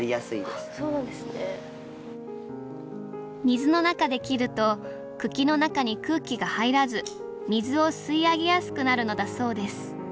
水の中で切ると茎の中に空気が入らず水を吸い上げやすくなるのだそうです。